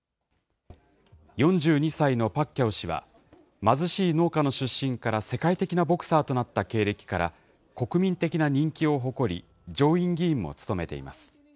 ４２歳のパッキャオ氏は、貧しい農家の出身から世界的なボクサーとなった経歴から、国民的な人気を誇り、上院議員も務めています。